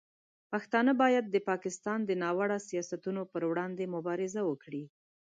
پښتانه باید د پاکستان د ناوړه سیاستونو پر وړاندې مبارزه وکړي.